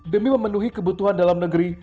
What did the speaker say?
demi memenuhi kebutuhan dalam negeri